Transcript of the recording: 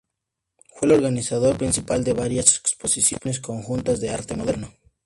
Fue el organizador principal de varias exposiciones conjuntas de arte moderno.